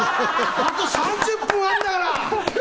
あと３０分あんだから！